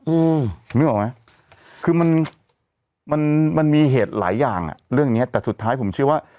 อืมนึกออกไหมคือมันมันมันมีเหตุหลายอย่างอ่ะเรื่องเนี้ยแต่สุดท้ายผมเชื่อว่า